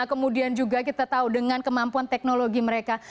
kemudian juga kita tahu dengan kemampuan teknologi mereka